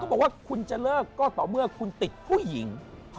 บอกว่าคุณจะเลิกก็ต่อเมื่อคุณติดผู้หญิง